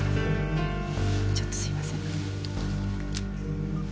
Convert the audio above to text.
ちょっとすみません。